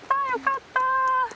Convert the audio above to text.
よかった。